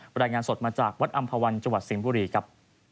รายงานสดมาจากวัดอำภาวันจังหวัดสิงห์บุรีครับ